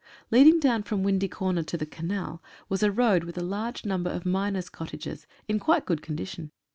Leading down from Windy Corner to the Canal was a road with a large number of miners' cottages, in quite good condition.